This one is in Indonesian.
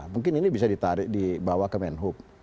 mungkin ini bisa ditarik di bawah kemenhub